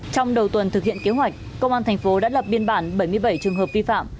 trong đầu tuần thực hiện kế hoạch công an thành phố đã lập biên bản bảy mươi bảy trường hợp vi phạm